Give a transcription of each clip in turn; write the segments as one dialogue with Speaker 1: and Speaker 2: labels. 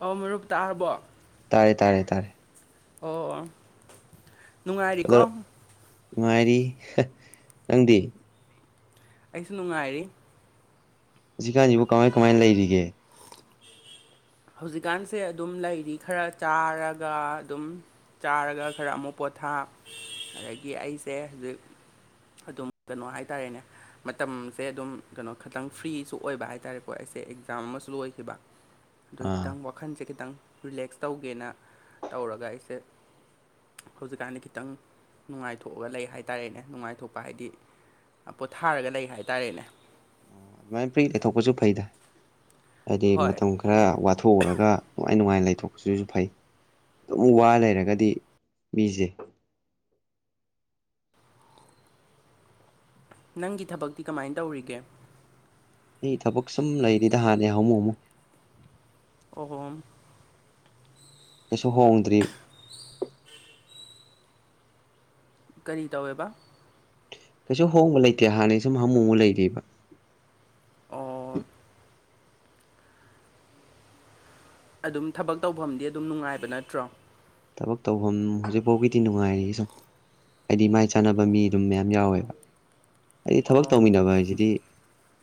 Speaker 1: ꯑꯧ ꯃꯔꯨꯞ ꯇꯥꯔꯕꯣ
Speaker 2: ꯇꯥꯏ ꯇꯥꯏ ꯇꯥꯔꯦ꯫
Speaker 1: ꯑꯣ ꯅꯨꯡꯉꯥꯏꯔꯤꯀꯣ
Speaker 2: ꯀꯗꯧ ꯅꯨꯡꯉꯥꯏꯔꯤ ꯅꯪꯗꯤ
Speaker 1: ꯑꯩꯁꯨ ꯅꯨꯡꯉꯥꯏꯔꯤ
Speaker 2: ꯍꯧꯖꯤꯛꯀꯥꯟꯁꯤꯕꯨ ꯀꯃꯥꯏ ꯀꯃꯥꯏꯅ ꯂꯩꯔꯤꯒꯦ꯫
Speaker 1: ꯍꯧꯖꯤꯛꯀꯥꯟꯁꯦ ꯑꯗꯨꯝ ꯂꯩꯔꯤ ꯈꯔ ꯆꯥꯔꯒ ꯑꯗꯨꯝ ꯆꯥꯔꯒ ꯈꯔ ꯑꯃꯨꯛ ꯄꯣꯊꯥ ꯑꯗꯒꯤ ꯑꯩꯁꯦ ꯍꯧꯖꯤꯛ ꯑꯗꯨꯝ ꯀꯩꯅꯣ ꯍꯥꯏꯇꯥꯔꯦꯅꯦ ꯃꯇꯝꯁꯦ ꯑꯗꯨꯝ ꯀꯩꯅꯣ ꯈꯤꯇꯪ ꯐ꯭ꯔꯤꯁꯨ ꯑꯣꯏꯕ ꯍꯥꯏ ꯇꯥꯔꯦꯀꯣ ꯑꯩꯁꯦ ꯑꯦꯛꯖꯥꯝ ꯑꯃꯁꯨ ꯂꯣꯏꯈꯤꯕ ꯑꯗꯨꯒꯤ
Speaker 2: ꯑꯥ
Speaker 1: ꯈꯤꯇꯪ ꯋꯥꯈꯟꯁꯦ ꯈꯤꯇꯪ ꯔꯤꯂꯦꯛꯁ ꯇꯧꯒꯦꯅ ꯇꯧꯔꯒ ꯑꯩꯁꯦ ꯍꯧꯖꯤꯛꯀꯥꯟꯗꯤ ꯈꯤꯇꯪ ꯅꯨꯡꯉꯥꯏꯊꯣꯛꯑꯒ ꯂꯩ ꯍꯥꯏꯇꯥꯔꯦꯅꯦ ꯅꯨꯡꯉꯥꯏꯊꯣꯛꯄ ꯍꯥꯏꯗꯤ ꯄꯣꯊꯥꯔꯒ ꯂꯩ ꯍꯥꯏꯇꯥꯔꯦꯅꯦ
Speaker 2: ꯑꯣ ꯑꯗꯨꯃꯥꯏꯅ ꯐꯔꯤ ꯂꯩꯊꯣꯛꯄꯁꯨ ꯐꯩꯗ ꯍꯥꯏꯗꯤ
Speaker 1: ꯍꯣꯏ
Speaker 2: ꯃꯇꯝ ꯈꯔ ꯋꯥꯊꯣꯛꯎꯔꯒ ꯅꯨꯡꯉꯥꯏ ꯅꯨꯡꯉꯥꯏꯅ ꯂꯩꯊꯣꯛꯄꯁꯤꯁꯨ ꯐꯩ ꯑꯗꯨꯝ ꯋꯥ ꯂꯩꯔꯒꯗꯤ ꯃꯤꯁꯦ
Speaker 1: ꯅꯪꯒꯤ ꯊꯕꯛꯇꯤ ꯀꯃꯥꯏꯅ ꯇꯧꯔꯤꯒꯦ
Speaker 2: ꯑꯩ ꯊꯕꯛ ꯁꯨꯝ ꯂꯩꯔꯤꯗ ꯍꯥꯟꯅꯩ ꯍꯥꯃꯨ ꯍꯥꯃꯨ
Speaker 1: ꯑ‌ꯣ
Speaker 2: ꯀꯩꯁꯨ ꯍꯣꯡꯗ꯭ꯔꯤꯕ
Speaker 1: ꯀꯔꯤ ꯇꯧꯋꯦꯕ
Speaker 2: ꯀꯩꯁꯨ ꯍꯣꯡꯕ ꯂꯩꯇꯦ ꯍꯥꯟꯅꯩ ꯁꯨꯝ ꯍꯥꯃꯨ ꯍꯥꯃꯨꯨ ꯂꯩꯔꯤꯕ
Speaker 1: ꯑꯣ ꯑꯗꯨꯝ ꯊꯕꯛ ꯇꯧꯐꯝꯗꯤ ꯑꯗꯨꯝ ꯅꯨꯡꯉꯥꯏꯕ ꯅꯠꯇ꯭ꯔꯣ
Speaker 2: ꯊꯕꯛ ꯇꯧꯐꯝ ꯍꯧꯖꯤꯛꯐꯥꯎꯒꯤꯗꯤ ꯅꯨꯡꯉꯥꯏꯔꯤ ꯁꯨꯝ ꯍꯥꯏꯗꯤ ꯃꯥꯏ ꯆꯥꯟꯅꯕ ꯃꯤ ꯑꯗꯨꯝ ꯃꯌꯥꯝ ꯌꯥꯎꯋꯦꯕ ꯍꯥꯏꯗꯤ ꯊꯕꯛ
Speaker 1: ꯑꯣ
Speaker 2: ꯇꯧꯃꯤꯟꯅꯕ ꯍꯥꯏꯁꯤꯗꯤ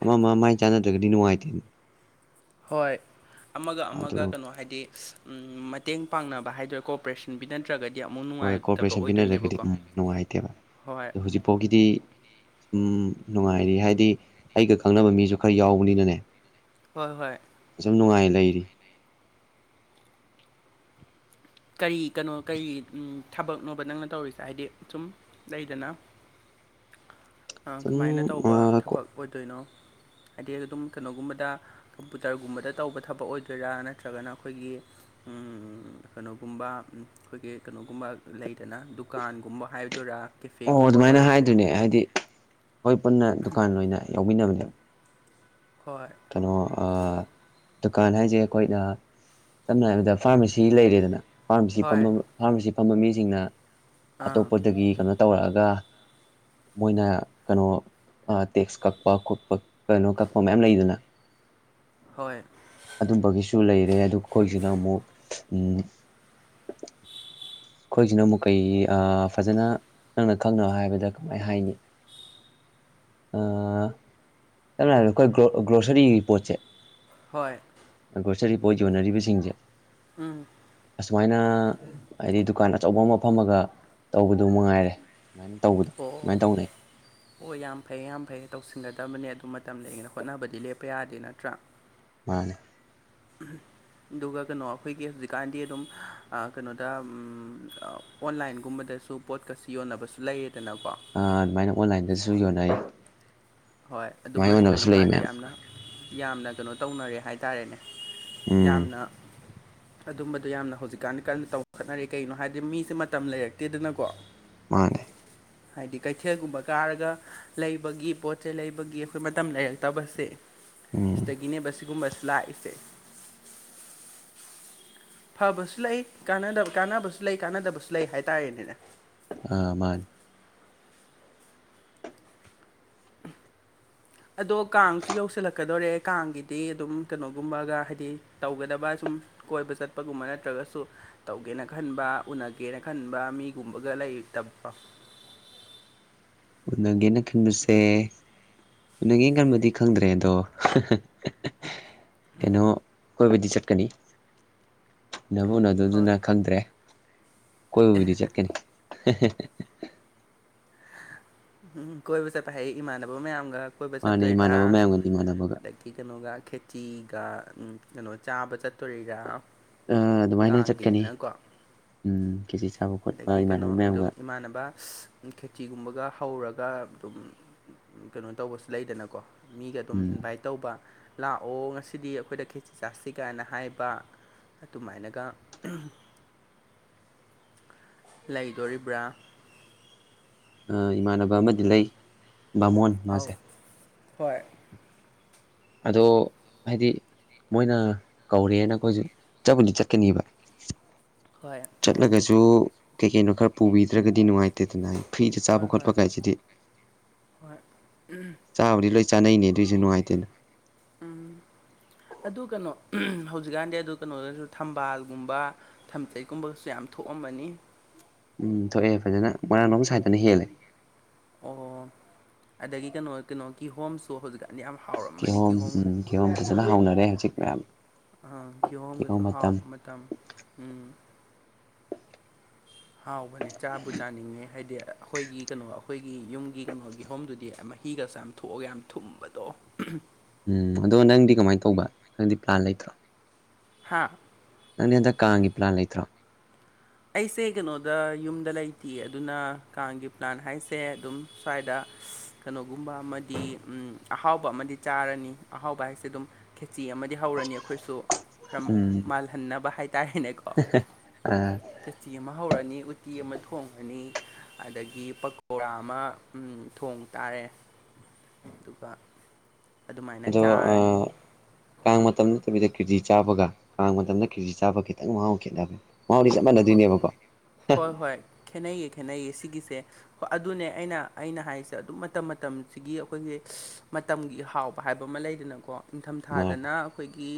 Speaker 2: ꯑꯃ ꯑꯃ ꯃꯥꯏ ꯆꯥꯟꯅꯗ꯭ꯔꯒꯗꯤ ꯅꯨꯡꯉꯥꯏꯇꯦ
Speaker 1: ꯍꯣꯏ ꯑꯃꯒ ꯑꯃꯒ
Speaker 2: ꯑꯗꯨ
Speaker 1: ꯀꯩꯅꯣ ꯍꯥꯏꯗꯤ ꯎꯝ ꯃꯇꯦꯡ ꯄꯥꯡꯅꯕ ꯍꯥꯏꯗ꯭ꯔ ꯀꯣꯄꯔꯦꯁꯟ ꯄꯤꯅꯗꯔꯒꯗꯤ ꯑꯃꯨꯛ
Speaker 2: ꯍꯣꯏ
Speaker 1: ꯅꯨꯡꯉꯥꯏꯇꯕ
Speaker 2: ꯀꯣꯔꯄꯣꯔꯦꯁꯟ ꯄꯤꯅꯗ꯭ꯔꯒꯗꯤ
Speaker 1: ꯑꯣꯏꯗꯣꯏꯅꯦꯕꯀꯣ ꯍꯣꯏ
Speaker 2: ꯍꯧꯖꯤꯛ ꯐꯧꯒꯤꯗꯤ ꯁꯨꯝ ꯅꯨꯡꯉꯥꯏꯔꯤ ꯍꯥꯏꯗꯤ ꯑꯩꯒ ꯈꯪꯅꯕ ꯃꯤꯁꯨ ꯈꯔ ꯌꯥꯎꯕꯅꯤꯅꯅꯦ
Speaker 1: ꯍꯣꯏ ꯍꯣꯏ
Speaker 2: ꯐꯖꯅ ꯅꯨꯡꯉꯥꯏ ꯂꯩꯔꯤ
Speaker 1: ꯀꯔꯤ ꯀꯩꯅꯣ ꯀꯔꯤ ꯎꯝ ꯊꯕꯛꯅꯣꯕ ꯅꯪꯅ ꯇꯧꯔꯤꯁꯦ ꯍꯥꯏꯗꯤ ꯁꯨꯝ ꯂꯩꯗꯅ ꯑꯥ
Speaker 2: ꯁꯨꯝ
Speaker 1: ꯀꯃꯥꯏꯅ ꯇꯧꯕ
Speaker 2: ꯑꯥ ꯀꯣ
Speaker 1: ꯊꯕꯛ ꯑꯣꯏꯗꯣꯏꯅꯣ ꯍꯥꯏꯗꯤ ꯑꯗꯨꯝ ꯀꯩꯅꯣꯒꯨꯝꯕꯗ ꯀꯝꯄꯨꯇꯔꯒꯨꯝꯕꯗ ꯇꯧꯕ ꯊꯕꯛ ꯑꯣꯏꯗꯣꯏꯔꯥ ꯅꯠꯇ꯭ꯔꯒꯅ ꯑꯩꯈꯣꯏꯒꯤ ꯎꯝ ꯀꯩꯅꯣꯒꯨꯝꯕ ꯑꯩꯈꯣꯏꯒꯤ ꯀꯩꯅꯣꯒꯨꯝꯕ ꯂꯩꯗꯅ ꯗꯨ ꯗꯨꯀꯥꯟꯒꯨꯝꯕ ꯍꯥꯏꯗꯣꯏꯔꯥ ꯀꯦꯐꯦꯒꯨꯝꯕ ꯑꯣꯏꯔꯁꯨ
Speaker 2: ꯍꯣꯏ ꯄꯨꯟꯅ ꯗꯨꯀꯥꯟ ꯑꯣꯏꯅ ꯌꯥꯎꯃꯤꯟꯅꯕꯅꯦ
Speaker 1: ꯍꯣꯏ
Speaker 2: ꯀꯩꯅꯣ ꯑꯥ ꯗꯨꯀꯥꯟ ꯍꯥꯏꯁꯦ ꯑꯩꯈꯣꯏꯅ ꯁꯝꯅ ꯍꯥꯏꯔꯕꯗ ꯐꯥꯔꯃꯥꯁꯤ ꯂꯩꯔꯦꯗꯅ ꯐꯥꯔꯃꯥꯁꯤ
Speaker 1: ꯍꯣꯏ
Speaker 2: ꯐꯥꯔꯃꯥꯁꯤ ꯐꯝꯕ ꯃꯤꯁꯤꯡꯅ
Speaker 1: ꯑꯥ
Speaker 2: ꯑꯇꯣꯞꯄꯗꯒꯤ ꯀꯩꯅꯣ ꯇꯧꯔꯛꯑꯒ ꯃꯣꯏꯅ ꯀꯩꯅꯣ ꯑꯥ ꯇꯦꯛꯁ ꯀꯛꯄ ꯈꯣꯠꯄ ꯀꯩꯅꯣ ꯀꯛꯄ ꯃꯌꯥꯝ ꯂꯩꯗꯅ
Speaker 1: ꯍꯣꯏ
Speaker 2: ꯑꯗꯨꯝꯕꯒꯤꯁꯨ ꯂꯩꯔꯦ ꯑꯗꯨ ꯑꯩꯈꯣꯏꯁꯤꯅ ꯑꯃꯨꯛ ꯎꯝ ꯑꯩꯈꯣꯏꯁꯤꯅ ꯑꯃꯨꯛ ꯀꯩ ꯑꯥ ꯐꯖꯅ ꯅꯪꯅ ꯈꯪꯅꯕ ꯍꯥꯏꯕꯗ ꯀꯃꯥꯏꯅ ꯍꯥꯏꯅꯤ ꯑ ꯁꯝꯅ ꯍꯥꯏꯔꯕꯗ ꯈ‌ꯣꯏ ꯒꯔ‌ꯣ ꯒꯔꯣꯁꯔꯤ ꯄꯣꯠꯁ‌ꯦ
Speaker 1: ꯍꯣꯏ
Speaker 2: ꯒ꯭ꯔꯣꯁꯔꯤ ꯄꯣꯠ ꯌꯣꯟꯅꯔꯤꯕꯁꯤꯡꯁꯦ
Speaker 1: ꯎꯝ
Speaker 2: ꯑꯁꯨꯃꯥꯏꯅ ꯍꯥꯏꯗꯤ ꯗꯨꯀꯥꯟ ꯑꯆꯧꯕ ꯑꯃ ꯐꯝꯃꯒ ꯇꯧꯕꯗꯨ ꯃꯉꯥꯏꯔꯦ ꯗꯨꯃꯥꯏꯅ ꯇꯧꯕꯗꯣ ꯑꯗꯨꯃꯥꯏꯅ
Speaker 1: ꯑꯣ
Speaker 2: ꯇꯧꯅꯩ
Speaker 1: ꯑꯣ ꯌꯥꯝ ꯐꯩ ꯌꯥꯝ ꯐꯩ ꯇꯧꯁꯤꯟꯒꯗꯕꯅꯦ ꯑꯗꯨ ꯃꯇꯝ ꯂꯩꯔꯤꯉꯩ ꯍꯣꯠꯅꯕꯗꯤ ꯂꯦꯞꯄ ꯌꯥꯗꯦ ꯅꯠꯇ꯭ꯔꯥ
Speaker 2: ꯃꯥꯅꯦ
Speaker 1: ꯑꯗꯨꯒ ꯀꯩꯅꯣ ꯑꯩꯈꯣꯏꯒꯤ ꯍꯧꯖꯤꯛꯀꯥꯟꯗꯤ ꯑꯗꯨꯝ ꯑꯥ ꯀꯩꯅꯣꯗ ꯎꯝ ꯑꯣꯟꯂꯥꯏꯟꯒꯨꯝꯕꯗꯁꯨ ꯄꯣꯠꯀꯁꯨ ꯌꯣꯟꯅꯕꯁꯨ ꯂꯩꯌꯦꯗꯅꯀꯣ
Speaker 2: ꯑꯗꯨꯃꯥꯏꯅ ꯑꯣꯟꯂꯥꯏꯟꯗꯁꯨ ꯌꯣꯟꯅꯩ
Speaker 1: ꯍꯣꯏ
Speaker 2: ꯑꯗꯨꯃꯥꯏꯅ
Speaker 1: ꯑꯗꯨꯝꯕꯁꯨ
Speaker 2: ꯌꯣꯟꯅꯕꯁꯨ ꯂꯩ
Speaker 1: ꯍꯧꯖꯤꯛꯀꯥꯟꯗꯤ
Speaker 2: ꯃꯌꯥꯝ
Speaker 1: ꯌꯥꯝꯅ ꯌꯥꯝꯅ ꯀꯩꯅꯣ ꯇꯧꯅꯔꯦ ꯍꯥꯏ ꯍꯥꯏꯇꯥꯔꯦꯅꯦ
Speaker 2: ꯎꯝ
Speaker 1: ꯌꯥꯝꯅ ꯑꯗꯨꯝꯕꯗꯣ ꯌꯥꯝꯅ ꯍꯧꯖꯤꯛꯀꯥꯟꯗꯤ ꯀꯟꯅ ꯇꯧ ꯈꯠꯅꯔꯤ ꯀꯩꯅꯣ ꯍꯥꯏꯗꯤ ꯃꯤꯁꯦ ꯃꯇꯝ ꯂꯩꯔꯛꯇꯦꯗꯅꯀꯣ
Speaker 2: ꯃꯥꯅꯦ
Speaker 1: ꯍꯥꯏꯗꯤ ꯀꯩꯊꯦꯜꯒꯨꯝꯕ ꯀꯥꯔꯒ ꯂꯩꯕꯒꯤ ꯄꯣꯠ ꯆꯩ ꯂꯩꯕꯒꯤ ꯑꯩꯈꯣꯏ ꯃꯇꯝ ꯂꯩꯔꯛꯇꯕꯁꯦ
Speaker 2: ꯎꯝ
Speaker 1: ꯆꯒꯤꯅꯦꯕ ꯁꯤꯒꯨꯝꯕꯁ ꯂꯥꯛꯏꯁꯦ ꯐꯕꯁꯨ ꯂꯩ ꯀꯅ ꯀꯥꯟꯅꯕꯁꯨ ꯂꯩ ꯀꯥꯟꯅꯗꯕꯁꯨ ꯂꯩ ꯍꯥꯏꯇꯥꯔꯦꯅꯦ
Speaker 2: ꯑ ꯃꯥꯅꯤ [unintelligible]
Speaker 1: ꯑꯗꯣ ꯀꯥꯡꯁꯨ ꯌꯧꯁꯤꯜꯂꯛꯀꯗꯣꯔꯦ ꯀꯥꯡꯒꯤꯗꯤ ꯑꯗꯨꯝ ꯀꯩꯅꯣꯒꯨꯝꯕꯒ ꯍꯥꯏꯗꯤ ꯇꯧꯒꯗꯕ ꯁꯨꯝ ꯀꯣꯏꯕ ꯆꯠꯄꯒꯨꯝꯕ ꯅꯠꯇ꯭ꯔꯒꯁꯨ ꯇꯧꯒꯦꯅ ꯈꯟꯕ ꯎꯅꯒꯦꯅ ꯈꯟꯕ ꯃꯤꯒꯨꯝꯕꯒ ꯂꯩꯇꯕꯣ
Speaker 2: ꯎꯅꯒꯦꯅ ꯈꯟꯕꯁꯦ ꯎꯅꯒꯦꯅ ꯈꯟꯕꯗꯤ ꯈꯪꯗ꯭ꯔꯦ ꯑꯗꯣ ꯀꯩꯅꯣ ꯀꯣꯏꯕꯗꯤ ꯆꯠꯀꯅꯤ ꯅꯕꯨꯅ
Speaker 1: ꯍꯣꯏ
Speaker 2: ꯑꯗꯨꯗꯨꯅ ꯈꯪꯗ꯭ꯔꯦ ꯀꯣꯏꯕꯕꯨꯗꯤ ꯆꯠꯀꯅꯤ [unintelligible]
Speaker 1: ꯎꯝ ꯀꯣꯏꯕ ꯆꯦꯄ ꯍꯥꯏ ꯏꯃꯥꯟꯅꯕ ꯃꯌꯥꯝꯒ ꯀꯣꯏꯕ
Speaker 2: ꯃꯥꯅ
Speaker 1: ꯆꯠꯇꯣꯢꯔ
Speaker 2: ꯏꯃꯥꯟꯅꯕ ꯃꯌꯥꯝꯒꯅꯤ ꯏꯃꯥꯟꯅꯕꯒ
Speaker 1: ꯑꯗ ꯀꯩꯅꯣꯒ ꯈꯦꯆꯤꯒ ꯀꯩꯅꯣ ꯆꯥꯕ ꯆꯠꯇꯣꯔꯤꯔꯥ
Speaker 2: ꯑꯗꯨꯃꯥꯏꯅ ꯆꯠꯀꯅꯤ
Speaker 1: ꯀꯥꯡꯒꯤꯅꯤꯅꯀꯣ
Speaker 2: ꯎꯝ ꯀꯦꯖꯤ ꯆꯥꯕ ꯈꯣꯠꯄ
Speaker 1: ꯑꯗꯒꯤ ꯀꯩꯅꯣ
Speaker 2: ꯏꯃꯥꯟꯅꯕ
Speaker 1: ꯑꯗꯨꯝ
Speaker 2: ꯃꯌꯥꯝꯒ
Speaker 1: ꯏꯃꯥꯟꯅꯕ ꯈꯦꯇꯤꯒꯨꯝꯕꯒ ꯍꯧꯔꯒ ꯑꯗꯨꯝ ꯀꯩꯅꯣ ꯇꯧꯕꯁꯨ ꯂꯩꯗꯅꯀꯣ ꯃꯤꯒ ꯑꯗꯨꯝ
Speaker 2: ꯎꯝ
Speaker 1: ꯏꯟꯚꯥꯏꯠ ꯇꯧꯕ ꯂꯥꯛꯑꯣ ꯉꯁꯤꯗꯤ ꯑꯩꯈꯣꯏꯗ ꯈꯦꯁꯤꯤ ꯆꯥꯁꯤ ꯀꯥꯏꯅ ꯍꯥꯏꯕ ꯑꯗꯨꯃꯥꯏꯅꯒ ꯎꯝ ꯂꯩꯗꯣꯔꯤꯕ꯭ꯔꯥ
Speaker 2: ꯏꯃꯥꯟꯅꯕ ꯑꯃꯗꯤ ꯂꯩ ꯕꯥꯃꯣꯟ
Speaker 1: ꯑꯥꯎ
Speaker 2: ꯃꯥꯁꯦ
Speaker 1: ꯍꯣꯏ
Speaker 2: ꯑꯗꯣ ꯍꯥꯏꯗꯤ ꯃꯣꯏꯅ ꯀꯧꯔꯦꯅ ꯑꯩꯈꯣꯏꯁꯨ ꯆꯠꯄꯨꯗꯤ ꯆꯠꯀꯅꯤꯕ
Speaker 1: ꯍꯣꯏ
Speaker 2: ꯆꯠꯂꯒꯁꯨ ꯀꯩ ꯀꯩꯅꯣ ꯈꯔ ꯄꯨꯕꯤꯗ꯭ꯔꯒꯗꯤ ꯅꯨꯡꯉꯥꯏꯇꯦꯗꯅ ꯍꯥꯏ ꯐ꯭ꯔꯤꯁꯦ ꯆꯥꯕ
Speaker 1: ꯍꯣꯏ ꯍꯣꯏ
Speaker 2: ꯈꯣꯠꯄ ꯀꯥꯏꯁꯤꯗꯤ [inaudible]
Speaker 1: ꯍꯣꯏ
Speaker 2: ꯆꯥꯕꯨꯗꯤ ꯂꯣꯏ ꯆꯥꯅꯩꯅꯦ ꯑꯗꯨꯏꯁꯨ ꯅꯨꯡꯉꯥꯏꯇꯅ
Speaker 1: ꯎꯝ
Speaker 2: [inaudible]
Speaker 1: ꯑꯗꯨ ꯀꯩꯅꯣ ꯍꯧꯖꯤꯛꯀꯥꯟꯗꯤ ꯑꯗꯨ ꯀꯩꯅꯣꯗꯁꯨ ꯊꯝꯕꯥꯜꯒꯨꯝꯕ ꯊꯝꯖꯩꯒꯨꯝꯕꯒꯁꯨ ꯌꯥꯝ ꯊꯣꯛꯑꯝꯕꯅꯤ
Speaker 2: ꯎꯝ ꯊꯣꯛꯑꯦ ꯐꯖꯅ ꯃꯣꯏꯔꯥꯡꯂꯣꯝ ꯁꯥꯏꯠꯇꯅ ꯍꯦꯜꯂꯦ
Speaker 1: ꯑꯣ ꯑꯗꯒꯤ ꯀꯩꯅꯣ ꯀꯩꯅꯣ ꯀꯤꯍꯣꯝꯁꯨ ꯍꯧꯖꯤꯛꯀ
Speaker 2: ꯀꯤꯍꯣꯝ ꯎꯝ ꯀꯤꯍꯣꯝ ꯐꯖꯅ ꯍꯥꯎꯅꯔꯦ ꯍꯧꯖꯤꯛ ꯃꯌꯥꯝ
Speaker 1: ꯑ ꯀꯤꯍꯣꯝꯒꯁꯨ ꯍꯥꯎꯕ ꯃꯇꯝ ꯎꯝ ꯍꯥꯎꯕꯅꯦ ꯆꯥꯕꯨ ꯆꯥꯅꯤꯡꯉꯦ ꯍꯥꯏꯗꯤ ꯑꯩꯈꯣꯏꯒꯤ ꯀꯩꯅꯣ ꯑꯩꯈꯣꯏꯒꯤ ꯌꯨꯝꯒꯤ ꯀꯩꯅꯣꯒꯤ ꯍꯣꯝꯗꯨꯗꯤ ꯃꯍꯤꯒ ꯆꯥꯝ ꯊꯣꯛꯑꯒ ꯌꯥꯝ ꯊꯨꯝꯕꯗꯣ
Speaker 2: ꯎꯝ ꯑꯗꯣ ꯅꯪꯗꯤ ꯀꯃꯥꯏꯅ ꯇꯧꯕ ꯅꯪꯗꯤ ꯄ꯭ꯂꯥꯟ ꯂꯩꯇ꯭ꯔꯣ
Speaker 1: ꯍꯥꯥ
Speaker 2: ꯅꯪꯗꯤ ꯍꯟꯗꯛ ꯀꯥꯡꯒꯤ ꯄ꯭ꯂꯥꯟ ꯂꯩꯇ꯭ꯔꯣ
Speaker 1: ꯑꯩꯁꯦ ꯀꯩꯅꯣꯗ ꯌꯨꯝꯗ ꯂꯩꯇꯦ ꯑꯗꯨꯅ ꯀꯥꯡꯒꯤ ꯄ꯭ꯂꯥꯟ ꯍꯥꯏꯁꯦ ꯑꯗꯨꯝ ꯁ꯭ꯋꯥꯏꯗ ꯀꯩꯅꯣꯒꯨꯝꯕ ꯑꯃꯗꯤ ꯑꯍꯥꯎꯕ ꯑꯃꯗꯤ ꯆꯥꯔꯅꯤ ꯑꯍꯥꯎꯕ ꯍꯥꯏꯁꯦ ꯑꯗꯨꯝ ꯈꯦꯆꯤ ꯑꯃꯗꯤ ꯗꯤ ꯍꯧꯔꯅꯤ ꯑꯩꯈꯣꯏꯁꯨ ꯈꯔ
Speaker 2: ꯎꯝ
Speaker 1: ꯃꯥꯜꯍꯟꯅꯕ ꯍꯥꯏꯇꯥꯔꯦꯅꯦꯀꯣ
Speaker 2: [unintelligible]
Speaker 1: ꯐꯦꯇꯤ ꯑꯃ ꯍꯧꯔꯅꯤ ꯎꯇꯤ ꯑꯃ ꯊꯣꯡꯉꯅꯤ ꯑꯗꯒꯤ ꯄꯀꯧꯣꯔꯥ ꯑꯃ ꯊꯣꯡ ꯇꯥꯔꯦ ꯑꯗꯨꯒ ꯑꯗꯨꯃꯥꯏꯅ
Speaker 2: ꯑꯗꯣ ꯑ
Speaker 1: ꯆꯥꯔꯅꯤ
Speaker 2: ꯀꯥꯡ ꯃꯇꯝ ꯅꯠꯇꯕꯤꯗ ꯀꯤꯔꯖꯤꯤ ꯆꯥꯕꯒ ꯀꯥꯡ ꯃꯇꯝꯗ ꯀꯤꯔꯖꯤꯤ ꯆꯥꯒ ꯈꯤꯇꯪ ꯃꯍꯥꯎ ꯈꯦꯠꯅꯕ ꯃꯥꯥꯎꯗꯤ ꯆꯞ
Speaker 1: ꯍꯣ
Speaker 2: ꯃꯥꯟꯅꯗꯣꯏꯅꯦꯕꯀꯣ
Speaker 1: ꯍꯣꯏ ꯍꯣꯏ ꯈꯦꯠꯅꯩꯌꯦ ꯈꯦꯠꯅꯩꯌꯦ ꯁꯤꯒꯤꯁꯦ ꯑꯗꯨꯅꯦ ꯑꯩꯅ ꯑꯩꯅ ꯍꯥꯏꯔꯤꯁꯦ ꯑꯗꯨꯝ ꯃꯇꯝ ꯃꯇꯝꯁꯤꯒꯤ ꯑꯩꯈꯣꯏꯒꯤ ꯃꯇꯝꯒꯤ ꯍꯥꯎꯕ ꯍꯥꯏꯕ ꯑꯃ ꯂꯩꯗꯅꯀꯣ
Speaker 2: ꯃꯥꯅꯤ
Speaker 1: ꯅꯤꯡꯊꯝꯊꯥꯗꯅ ꯑꯩꯈꯣꯏꯒꯤ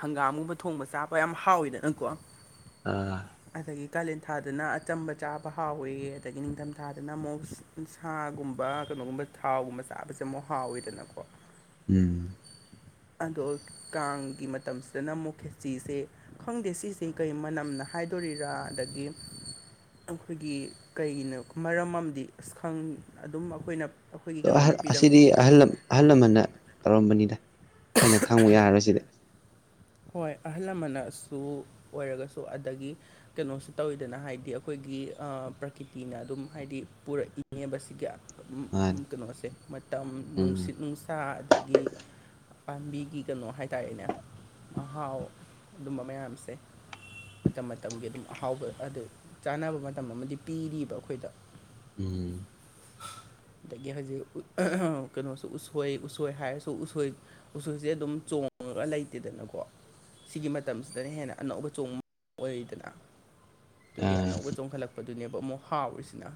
Speaker 1: ꯍꯪꯒꯥꯝꯒꯨꯕ ꯊꯣꯡꯕ ꯆꯥꯕ ꯌꯥꯝ ꯍꯥꯎꯋꯤꯗꯅꯀꯣ
Speaker 2: ꯑꯥ
Speaker 1: ꯑꯗꯒꯤ ꯀꯥꯂꯦꯟ ꯊꯥꯗꯅ ꯑꯆꯝꯕ ꯆꯥꯕ ꯍꯥꯎꯋ ꯑꯗꯒꯤ ꯅꯤꯡꯊꯝ ꯊꯥꯗꯅ ꯑꯃꯨꯛꯁ ꯎꯟ ꯁꯥꯒꯨꯝꯕ ꯀꯩꯅꯣꯒꯨꯝꯕ ꯊꯥꯎꯒꯨꯝꯕ ꯆꯥꯕꯁꯦ ꯑꯃꯨꯛ ꯍꯥꯎꯋꯤꯗꯅꯀꯣ
Speaker 2: ꯎꯝ
Speaker 1: ꯑꯗꯣ ꯀꯥꯡꯒꯤ ꯃꯇꯝꯁꯤꯗꯅ ꯑꯃꯨꯛ ꯈꯦꯆꯤꯁꯦ ꯈꯪꯗꯦ ꯁꯤꯁꯦ ꯀꯩ ꯃꯅꯝꯅ ꯍꯥꯏꯗꯣꯔꯤꯔꯥ ꯑꯗꯒꯤ ꯑꯩꯈꯣꯏꯒꯤ ꯀꯩꯒꯤꯅꯣ ꯃꯔꯝ ꯑꯃꯗꯤ ꯑꯁꯈꯪ ꯑꯗꯨꯝ ꯑꯩꯈꯣꯏꯅ ꯑꯩꯈꯣꯏꯒꯤ
Speaker 2: ꯑꯗꯣꯍ
Speaker 1: ꯀꯩꯅꯣꯅ ꯄꯤꯔꯝ
Speaker 2: ꯑꯁꯤꯗꯤ ꯑꯍꯜ ꯑꯍꯜ ꯂꯃꯟꯅ ꯇꯧꯔꯝꯕꯅꯤꯗ ꯑꯩꯈꯣꯏꯅ ꯈꯪꯕ ꯌꯥꯔꯔꯣꯏꯁꯤꯗꯤ
Speaker 1: ꯍꯣꯏ ꯑꯍꯜ ꯂꯃꯟꯅꯁꯨ ꯑꯣꯏꯔꯒꯁꯨ ꯑꯗꯒꯤ ꯀꯩꯅꯣꯁꯤ ꯇꯧꯋꯤꯗꯅ ꯍꯥꯏꯗꯤ ꯑꯩꯈꯣꯏꯒꯤ ꯄ꯭ꯔꯀꯤꯇꯤꯅ ꯑꯗꯨꯝ ꯍꯥꯏꯗꯤ ꯄꯨꯔꯛꯏꯉꯦꯕ ꯁꯤꯒꯤ
Speaker 2: ꯃꯥꯅꯤ
Speaker 1: ꯀꯩꯅꯣꯁꯦ ꯃꯇꯝ
Speaker 2: ꯎꯝ
Speaker 1: ꯅꯨꯡꯁꯤꯠ ꯅꯨꯡ ꯆꯥ ꯑꯗꯒꯤ ꯄꯥꯝꯕꯤꯒꯤ ꯀꯩꯅꯣ ꯍꯥꯏꯇꯥꯔꯦꯅꯦ ꯃꯍꯥꯎ ꯑꯗꯨꯝꯕ ꯃꯌꯥꯝꯁꯦ ꯃꯇꯝ ꯃꯇꯝꯒꯤ ꯑꯗꯨꯝ ꯑꯍꯥꯎꯕ ꯑꯗꯨ ꯆꯥꯅꯕ ꯃꯇꯝ ꯑꯃꯗꯤ ꯄꯤꯔꯤꯕ ꯑꯩꯈꯣꯏꯗ
Speaker 2: ꯎꯝ
Speaker 1: ꯑꯗꯒꯤ ꯍꯧꯖꯤꯛ ꯀꯩꯅꯣꯁꯨ ꯎꯁꯣꯏ ꯎꯁꯣꯏ ꯍꯥꯏꯔꯁꯨ ꯎꯁꯣꯏ ꯎꯁꯨꯁꯦ ꯑꯗꯨꯝ ꯆꯣꯡꯉꯒ ꯂꯩꯇꯦꯗꯅꯀꯣ ꯀꯣ ꯁꯤꯒꯤ ꯃꯇꯝꯁꯤꯗꯅ ꯍꯦꯟꯅ ꯑꯅꯧꯕ ꯆꯣꯡꯕ ꯑꯣꯏꯗꯅ ꯑꯗꯨꯒꯤ
Speaker 2: ꯑꯥ
Speaker 1: ꯑꯅꯧꯕ ꯆꯣꯡꯈꯠꯂꯛꯄꯗꯨꯅꯦꯕ ꯑꯃꯨꯛ ꯍꯥꯎꯔꯤꯁꯤꯅ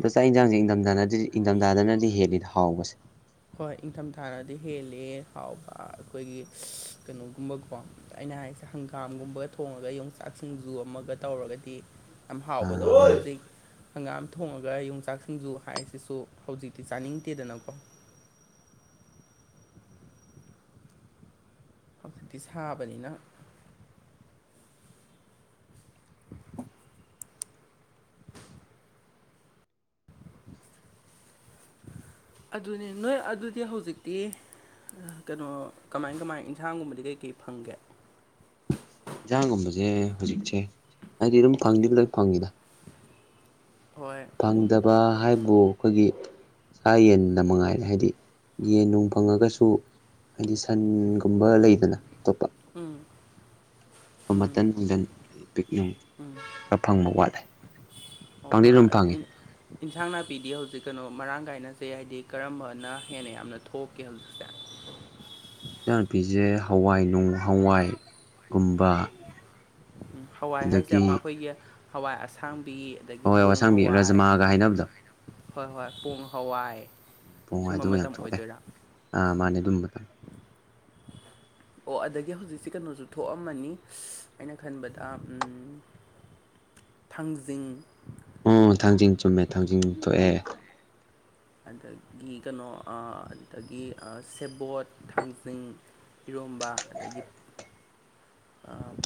Speaker 2: ꯑꯗꯣ ꯆꯥꯛ ꯌꯦꯟꯖꯥꯡꯁꯦ ꯏꯪꯊꯝꯊꯥꯅꯗꯤ ꯏꯪꯊꯝꯊꯥꯗꯅꯗꯤ ꯍꯦꯜꯂꯤ ꯍꯥꯎꯕꯁꯦ
Speaker 1: ꯍꯣꯏ ꯏꯪꯊꯝꯊꯥꯔꯗꯤ ꯍꯦꯜꯂꯦ ꯍꯥꯎꯕ ꯑꯩꯈꯣꯏꯒꯤ ꯀꯩꯅꯣꯒꯨꯝꯕꯀꯣ ꯑꯩꯅ ꯍꯥꯏꯔꯤꯁꯦ ꯍꯪꯒꯥꯝꯒꯨꯝꯕꯒ ꯊꯣꯡꯉꯒ ꯌꯣꯡꯆꯥꯛ ꯁꯤꯡꯖꯨ ꯑꯃꯒ ꯇꯧꯔꯒꯗꯤ ꯌꯥꯝ
Speaker 2: ꯑꯥ
Speaker 1: ꯍꯥꯎꯕꯗꯣ ꯑꯗꯣ ꯍꯧꯖꯤꯛ ꯍꯪꯒꯥꯝ ꯊꯣꯡꯉꯒ ꯌꯣꯡꯆꯥꯛꯁꯤꯡꯖꯨ ꯍꯥꯏꯁꯤꯁꯨ ꯍꯧꯖꯤꯛꯇꯤ ꯆꯥꯅꯤꯡꯗꯦꯗꯅꯀꯣ ꯍꯧꯖꯤꯛꯇꯤ ꯁꯥꯕꯅꯤꯅ
Speaker 2: [unintelligible]
Speaker 1: ꯑꯗꯨꯅꯦ ꯅꯣꯏ ꯑꯗꯨꯗꯤ ꯍꯧꯖꯤꯛꯇꯤ ꯀꯩꯅꯣ ꯀꯃꯥꯏ ꯀꯃꯥꯏ ꯌꯦꯟꯁꯥꯡꯒꯨꯝꯕꯗꯤ ꯀꯩꯀꯩ ꯐꯪꯒꯦ
Speaker 2: ꯌꯦꯟꯁꯥꯡꯒꯝꯕꯁꯦ ꯍꯧꯖꯤꯛꯁꯦ ꯍꯥꯏꯗꯤ ꯑꯗꯨꯝ ꯐꯪꯗꯤꯦꯕꯨ ꯂ ꯐꯪꯉꯤꯗ
Speaker 1: ꯍꯣꯏ
Speaker 2: ꯐꯪꯗꯕ ꯍꯥꯏꯕꯨ ꯑꯩꯈꯣꯏꯒꯤ ꯁꯥ ꯌꯦꯟꯗ ꯃꯉꯥꯏꯔꯦ ꯍꯥꯏꯗꯤ ꯌꯦꯟ ꯅꯨꯡ ꯐꯪꯉꯒꯁꯨ ꯍꯥꯏꯗꯤ ꯁꯟꯒꯨꯝꯕ ꯂꯩꯗꯅ ꯑꯇꯣꯞꯄ
Speaker 1: ꯎꯝ ꯎꯝ
Speaker 2: ꯃꯇꯝ ꯅꯨꯡꯊꯟ ꯑꯩ ꯄꯤꯛꯅꯤꯡꯅꯨꯡ ꯈꯔ ꯐꯪꯕ ꯋꯥꯠꯂꯦ
Speaker 1: ꯑꯣ
Speaker 2: ꯐꯪꯗꯤ
Speaker 1: ꯍꯣꯏ
Speaker 2: ꯑꯗꯨꯝ ꯐꯪꯉꯦ
Speaker 1: ꯑꯗꯨ ꯏꯟꯁꯥꯡ ꯅꯥꯄꯤꯗꯤ ꯍꯧꯖꯤꯛ ꯀꯅꯣ ꯃꯔꯥꯡ ꯀꯥꯏꯅꯁꯦ ꯍꯥꯏꯗꯤ ꯀꯔꯝꯕꯅ ꯍꯦꯟꯅ ꯌꯥꯝꯅ ꯊꯣꯛꯀꯦ ꯍꯧꯖꯤꯛ
Speaker 2: ꯏꯆꯥꯟꯄꯤꯖꯦ ꯍꯋꯥꯏ ꯅꯣꯡ ꯍꯋꯥꯏꯒꯨꯝꯕ
Speaker 1: ꯍꯋꯥꯏ ꯍꯥꯏꯁꯦ
Speaker 2: ꯑꯗꯒꯤ
Speaker 1: ꯑꯃ ꯑꯩꯈꯣꯏꯒꯤ ꯍꯋꯥꯏ ꯑꯁꯥꯡꯕꯤ ꯑꯗꯒꯤ
Speaker 2: ꯍꯋꯥꯏ
Speaker 1: ꯄꯣꯡ
Speaker 2: ꯑꯁꯥꯡꯕꯤ
Speaker 1: ꯍꯋꯥꯏ
Speaker 2: ꯔꯖꯃꯥꯒ ꯍꯥꯏꯅꯕꯗꯣ
Speaker 1: ꯍꯣꯏ ꯍꯣꯏ ꯄꯣꯡ ꯍꯋꯥꯏ
Speaker 2: ꯄꯣꯡꯉꯥꯏ
Speaker 1: ꯁꯨꯝꯕ
Speaker 2: ꯑꯗꯨꯒ ꯌꯥꯝ
Speaker 1: ꯃꯇꯝ
Speaker 2: ꯊꯣꯛꯑꯦ
Speaker 1: ꯑꯣꯏꯗꯣꯏꯔꯥ
Speaker 2: ꯃꯥꯅꯦ ꯑꯗꯨꯝꯕ ꯃꯇꯝ
Speaker 1: ꯑꯣ ꯑꯗꯒꯤ ꯍꯧꯖꯤꯛꯁꯤꯦ ꯀꯩꯅꯣꯁꯨ ꯊꯣꯛꯑꯝꯃꯅꯤ ꯑꯩꯅ ꯈꯟꯕꯗ ꯊꯥꯡꯖꯤꯡ
Speaker 2: ꯑꯣ ꯊꯥꯡꯖꯤꯡ ꯆꯨꯝꯃꯦ ꯊꯥꯡꯖꯤꯡ ꯊꯣꯛꯑꯦ
Speaker 1: ꯑꯗꯒꯤ ꯀꯩꯅꯣ ꯑꯗꯒꯤ ꯁꯦꯕꯣꯠ ꯊꯥꯡꯖꯤꯡ ꯏꯔꯣꯝꯕ ꯑꯗꯒꯤ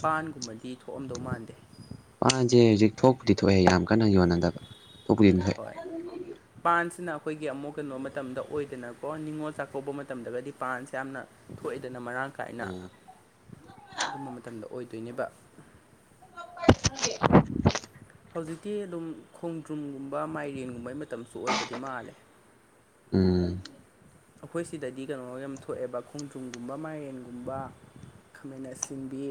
Speaker 1: ꯄꯥꯟꯒꯨꯝꯕꯗꯤ ꯊꯣꯛꯑꯝꯗꯧ ꯃꯥꯟꯗꯦ
Speaker 2: ꯃꯥꯁꯦ ꯍꯧꯖꯤꯛ ꯊꯣꯛꯄꯨꯗꯤ ꯊꯣꯛꯑꯦ ꯌꯥꯝ ꯀꯟꯅ ꯌꯣꯟꯅꯗꯕ ꯊꯣꯛꯄꯨꯗꯤ ꯊꯣꯛꯑꯦ
Speaker 1: ꯍꯣꯏ ꯄꯥꯟꯁꯤꯅ ꯑꯩꯈꯣꯏꯒꯤ ꯑꯃꯨꯛ ꯀꯩꯅꯣ ꯃꯇꯝꯗ ꯑꯣꯏꯗꯅꯀꯣ ꯅꯤꯡꯅꯤꯉꯣꯜ ꯆꯥꯛꯀꯧꯕ ꯃꯇꯝꯗꯒꯗꯤ ꯄꯥꯟꯁꯦ ꯌꯥꯝꯅ ꯊꯣꯛꯑꯦꯗꯅ ꯃꯔꯥꯡ ꯀꯥꯏꯅ
Speaker 2: ꯎꯝ
Speaker 1: ꯑꯗꯨꯝꯕ ꯃꯇꯝꯗ ꯑꯣꯏꯗꯣꯏꯅꯦꯕ
Speaker 2: [unintelligible]
Speaker 1: ꯍꯧꯖꯤꯛꯇꯤ ꯑꯗꯨꯝ ꯈꯣꯡꯗ꯭ꯔꯨꯝꯒꯨꯝꯕ ꯃꯥꯏꯔꯦꯟꯒꯨꯝꯕꯩ ꯃꯇꯝꯁꯨ ꯑꯣꯏꯕꯗꯤ ꯃꯥꯜꯂꯦ
Speaker 2: ꯎꯝ
Speaker 1: ꯑꯩꯈꯣꯏ ꯁꯤꯗꯗꯤ ꯀꯩꯅꯣ ꯌꯥꯝ ꯊꯣꯛꯑꯦꯕ ꯈꯣꯡꯗ꯭ꯔꯨꯝꯒꯨꯝꯕ ꯃꯥꯏꯔꯦꯟꯒꯨꯝꯕ ꯈꯃꯦꯅ ꯑꯁꯤꯟꯕꯤ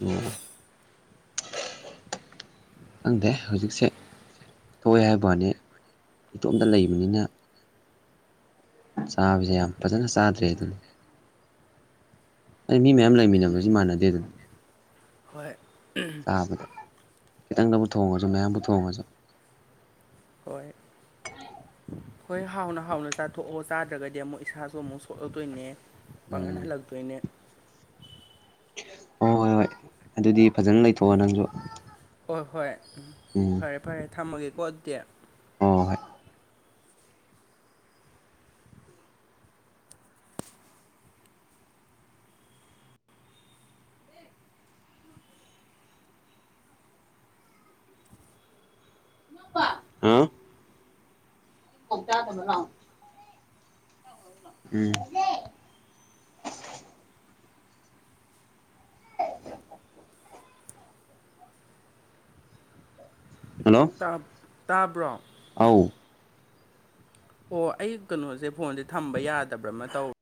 Speaker 2: ꯎꯝ ꯈꯪꯗꯦ ꯍꯧꯖꯤꯛꯁꯦ ꯊꯣꯛꯑꯦ ꯍꯥꯏꯕꯅꯦ ꯏꯇꯣꯝꯇ ꯂꯩꯕꯅꯤꯅ ꯆꯥꯕꯁꯦ ꯌꯥꯝ ꯐꯖꯅ ꯆꯥꯗ꯭ꯔꯦ ꯑꯗꯨꯅꯤ ꯑꯩ ꯃꯤ ꯃꯌꯥꯝ ꯂꯩꯃꯤꯟꯅꯕꯁꯤ ꯃꯥꯟꯅꯗꯦ ꯑꯗꯨꯅ
Speaker 1: ꯍꯣꯏ
Speaker 2: ꯊꯥꯕꯗ ꯈꯤꯇꯪꯗꯕꯨꯛ ꯊꯣꯡꯉꯁꯨ ꯃꯌꯥꯝꯕꯨ ꯊꯣꯡꯉꯁꯨ
Speaker 1: ꯍꯣꯏ ꯍꯣꯏ ꯍꯥꯎꯅ ꯍꯥꯎꯅ ꯆꯥꯊꯣꯛꯑꯣ ꯆꯥꯗ꯭ꯔꯒꯗꯤ ꯑꯃꯨꯛ ꯏꯁꯥꯁꯨ ꯑꯃꯨꯛ ꯁꯣꯛꯂꯛꯇꯣꯏꯅꯦ ꯄꯥꯡꯍꯟ
Speaker 2: ꯎꯝ
Speaker 1: ꯍꯜꯂꯛꯇꯣꯏꯅꯦ
Speaker 2: ꯍꯣꯏ ꯍꯣꯏ ꯍꯣꯏ ꯑꯗꯨꯗꯤ ꯐꯖꯅ ꯂꯩꯊꯣꯛꯑꯣ ꯅꯪꯁꯨ
Speaker 1: ꯍꯣꯏ ꯍꯣꯏ ꯎꯝ ꯐꯔꯦ ꯐꯔꯦ ꯊꯝꯃꯒꯦꯀꯣ ꯑꯗꯨꯗꯤ
Speaker 2: ꯍ ꯍꯣꯏ [unintelligible] [unintelligible] ꯎꯝ [unintelligible] ꯍꯜꯂꯣ
Speaker 1: ꯇꯥꯕ꯭ꯔꯣ
Speaker 2: [unintelligible]
Speaker 1: ꯑꯣ ꯑꯩ ꯀꯩꯅꯣꯁꯦ ꯐꯣꯟꯁꯦ ꯊꯝꯕ ꯌꯥꯗꯕ꯭ꯔ ꯑꯃ ꯇꯧꯋ